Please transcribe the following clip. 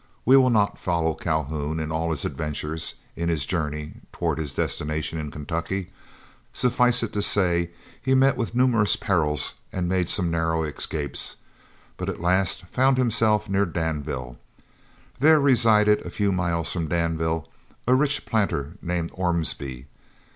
We will not follow Calhoun in all his adventures in his journey toward his destination in Kentucky. Suffice it to say, he met with numerous perils and made some narrow escapes, but at last found himself near Danville. There resided a few miles from Danville a rich planter named Ormsby.